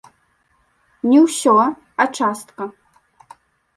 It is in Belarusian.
Не ўсё, а частка.